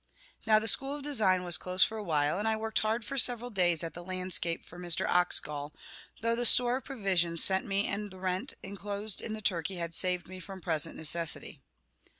Now the school of design was closed for a while, and I worked hard for several days at the landscape for Mr. Oxgall, though the store of provisions sent me and the rent enclosed in the turkey had saved me from present necessity.